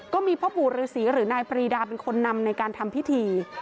ก็มีพ่อปู่ฤษีหรือนายปรีดาเป็นคนนำในการทำพิธี